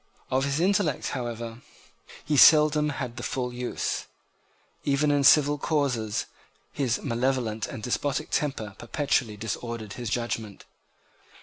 Of his intellect, however, he seldom had the full use. Even in civil causes his malevolent and despotic temper perpetually disordered his judgment.